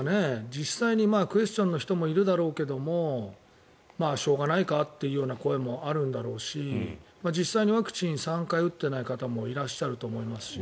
実際にクエスチョンの人もいるだろうけどしょうがないかという声もあるんだろうし実際にワクチン３回打っていない方もいらっしゃると思いますし。